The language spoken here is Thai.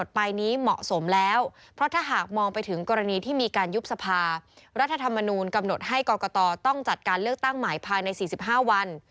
จำหนดให้กรกตต้องจัดการเลือกตั้งหมายภายใน๔๕วัน